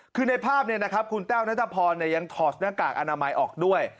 คือในภาพเนี่ยนะครับคุณแต้วนัทธพรยังถอดหน้ากากอนามัยออกด้วย